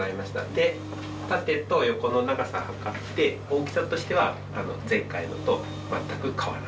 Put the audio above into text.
で縦と横の長さ測って大きさとしては前回のと全く変わらない。